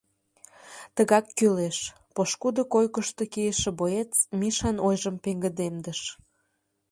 Тыгак кӱлеш, — пошкудо койкышто кийыше боец Мишан ойжым пеҥгыдемдыш.